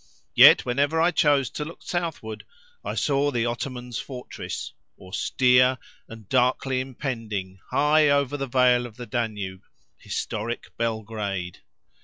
Yet, whenever I chose to look southward, I saw the Ottoman's fortress—austere, and darkly impending high over the vale of the Danube—historic Belgrade.